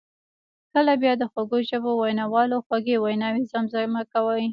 کله بیا د خوږ ژبو ویناوالو خوږې ویناوي زمزمه کوي.